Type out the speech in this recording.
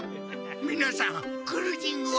みなさんクルージングは？